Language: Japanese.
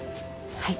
はい。